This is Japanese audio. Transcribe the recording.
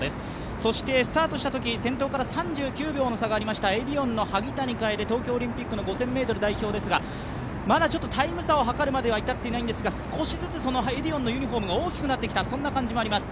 そして先頭から３９秒の差がありましたエディオンの萩谷楓東京オリンピックの５０００ｍ代表ですが、またタイム差を図るまでには至っていませんが少しずつエディオンのユニフォームが大きくなってきた感じがします。